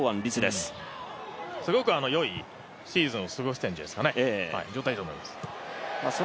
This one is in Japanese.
すごく良いシーズンを過ごしてるんじゃないですかね。